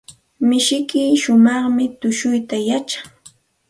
Tumishmi shumaq tushuyta yachan.